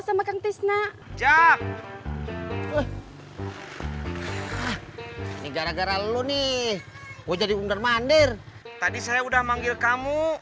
sama kang tisna jak ini gara gara lo nih gue jadi undur mandir tadi saya udah manggil kamu